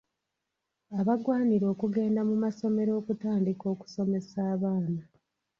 Abagwanira okugenda mu masomero okutandika okusomesa abaana.